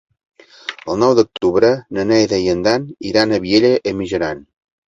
El nou d'octubre na Neida i en Dan iran a Vielha e Mijaran.